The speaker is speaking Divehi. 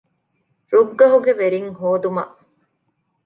ރުއްގަހުގެ ވެރިންހޯދުމަށް